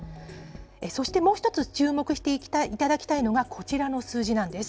そしてもう１つ、注目していただきたいのがこちらの数字なんです。